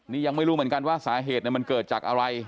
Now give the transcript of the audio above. นี่ยังไม่รู้เหมือนกันว่าสาเหตุมันเกิดจากอะไร